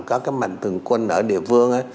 các cái mạnh thường quân ở địa phương